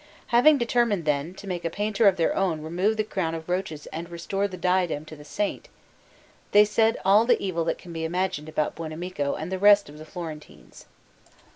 Having determined, then, to make a painter of their own remove the crown of roaches and restore the diadem to the Saint, they said all the evil that can be imagined about Buonamico and the rest of the Florentines.